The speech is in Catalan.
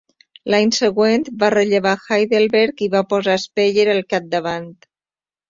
L'any següent, va rellevar Heidelberg i va posar Speyer al capdavant.